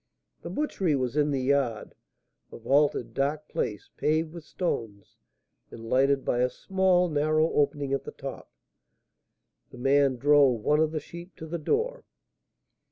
The butchery was in the yard, a vaulted, dark place, paved with stones, and lighted by a small, narrow opening at the top. The man drove one of the sheep to the door.